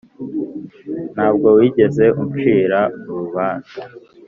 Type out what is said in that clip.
ntabwo wigeze ucira urubanza.